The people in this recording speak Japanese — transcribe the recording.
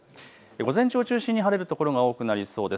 午前中を中心に晴れる所が多くなりそうです。